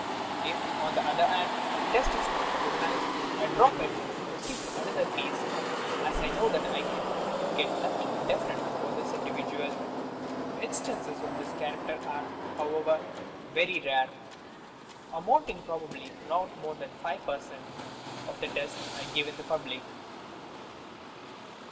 If, on the other hand, the test is not recognized, I drop it and proceed to another case, as I know that I can get nothing definite for this individual. Instances of this character are, however, very rare, amounting TOUR PSYCHIC POWERS probably to not more than 5 per cent, of the teats I give in public.